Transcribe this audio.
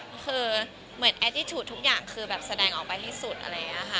แต่ก็แบบแอททิตูดทุกอย่างแสดงออกไปที่สุดค่ะ